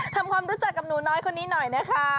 ทำความรู้จักกับหนูน้อยคนนี้หน่อยนะคะ